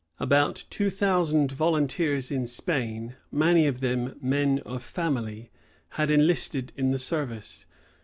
About two thousand volunteers in Spain, many of them men of family, had enlisted in the service.